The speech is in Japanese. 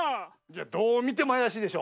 どうみてもあやしいでしょ。